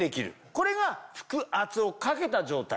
これが腹圧をかけた状態。